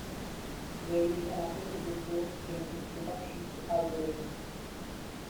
There is an accessible proof in "Introduction to Algorithms".